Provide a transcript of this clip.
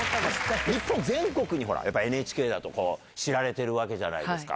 日本全国にほら、ＮＨＫだと、知られているわけでじゃないですか。